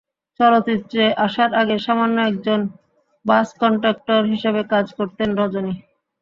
চলচ্চিত্রে আসার আগে সামান্য একজন বাস কনডাক্টর হিসেবে কাজ করতেন রজনী।